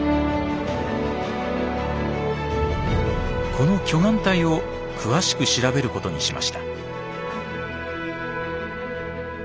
この巨岩帯を詳しく調べることにしました。